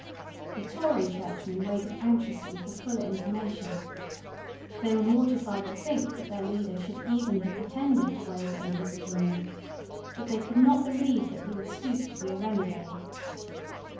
The Tory churchmen waited anxiously for fuller information. They were mortified to think that their leader should even have pretended to waver in his opinion; but they could not believe that he would stoop to be a renegade.